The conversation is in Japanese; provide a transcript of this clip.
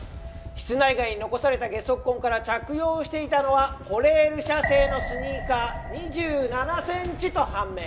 室内外に残された下足痕から着用していたのはコレール社製のスニーカー２７センチと判明